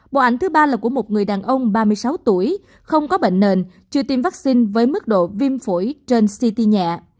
bộ ảnh thứ ba là của một người đàn ông ba mươi sáu tuổi không có bệnh nền chưa tiêm vaccine với mức độ viêm phổi trên ct nhẹ